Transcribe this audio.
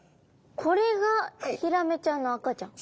これがヒラメちゃんの赤ちゃん？